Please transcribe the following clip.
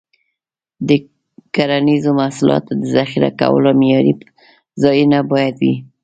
د کرنیزو محصولاتو د ذخیره کولو معیاري ځایونه باید وي.